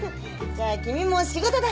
じゃあ君も仕事だ。